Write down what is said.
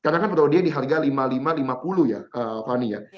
karena kan prodia di harga lima ribu lima ratus lima puluh ya fani ya